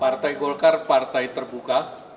partai golkar partai terbuka